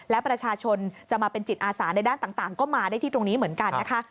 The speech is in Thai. และประชาชนจะมาเป็นจิตอาสาในด้านต่างก็มาได้ที่ตรงนี้เหมือนกันนะคะ